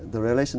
và rất vui